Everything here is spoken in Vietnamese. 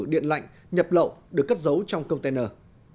điện lạnh nhập lậu được cất giấu trong container